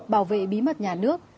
bảo vệ bí mật nhà nước